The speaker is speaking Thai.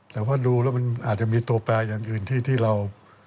แต่ว่าดูแล้วมันอาจจะมีตัวแปลอย่างอื่นที่เรา